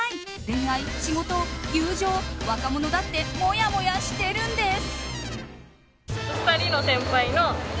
恋愛・仕事・友情若者だってもやもやしてるんです。